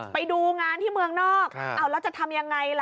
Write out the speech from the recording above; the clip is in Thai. ไปดูงานที่เมืองนอกแล้วจะทำยังไงล่ะ